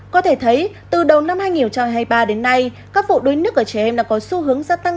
có thể thấy từ đầu năm hai nghìn hai mươi ba đến nay các vụ đuối nước ở trẻ em đã có xu hướng gia tăng